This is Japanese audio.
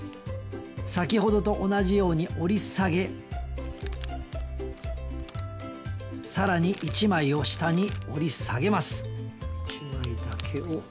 先ほどと同じように折り下げ更に一枚を下に折り下げます。